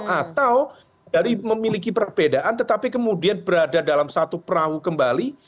atau dari memiliki perbedaan tetapi kemudian berada dalam satu perahu kembali